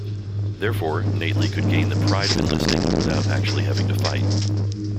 Therefore, Nately could gain the pride of enlisting without actually having to fight.